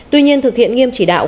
tuy nhiên thực hiện nghiêm chỉ đạo